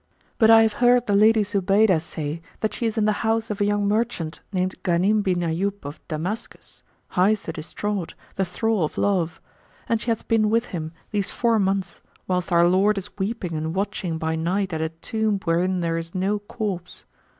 but I have heard the Lady Zubaydah say that she is in the house of a young merchant named Ghanim bin Ayyub of Damascus, hight the Distraught, the Thrall o' Love; and she hath been with him these four months, whilst our lord is weeping and watching by night at a tomb wherein is no corpse."